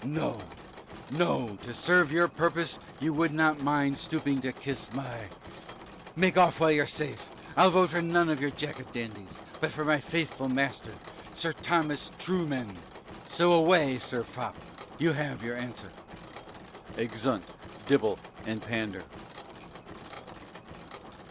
No, no; to serve your purpose you would not mind stooping to kiss my , make off while you're safe. I'll vote for none of your Jack a Dandy's, but for my faithful master, Sir Thomas Trueman so away, Sir Fop, you have your answer. _Exeunt Dibble and Pander.